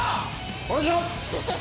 お願いします。